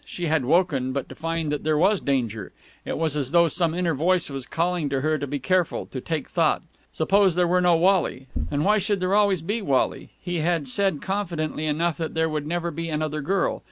She had woken, but to find that there was danger. It was as though some inner voice was calling to her to be careful, to take thought. Suppose there were no Wally?... And why should there always be Wally? He had said confidently enough that there would never be another girl....